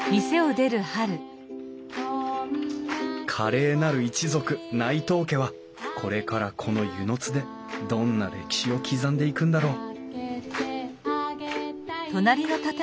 華麗なる一族内藤家はこれからこの温泉津でどんな歴史を刻んでいくんだろう